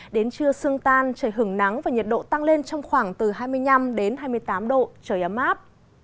đến trưa sương tan trời hứng nắng và nhiệt độ tăng lên trong khoảng từ hai mươi năm đến hai mươi tám độ trời ấm áp